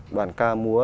đoàn ca múa